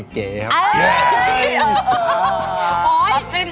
ถ้ามีกล้วยมะพร้าวส้มนี่ก็มัฟฟินกล้วยมะพร้าวส้มเก๋